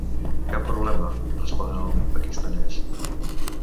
Cap problema —respon el paquistanès—.